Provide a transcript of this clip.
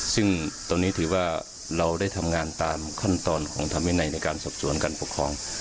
ซึ่งตอนนี้ถือว่าเราได้ทำงานตามขั้นตอนของธรรมวินัยในการสอบสวนการปกครอง